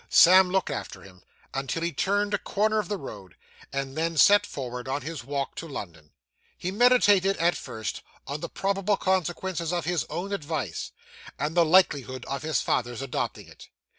Sam looked after him, until he turned a corner of the road; and then set forward on his walk to London. He meditated at first, on the probable consequences of his own advice, and the likelihood of his father's adopting it.